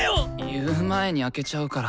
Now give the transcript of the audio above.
言う前に開けちゃうから。